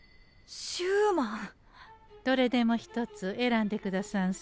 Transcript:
どれでも１つ選んでくださんせ。